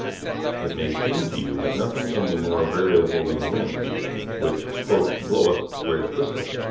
It may seem to you that nothing can be more variable than the wind, which "bloweth where it listeth."